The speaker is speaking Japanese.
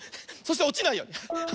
そしておちないように。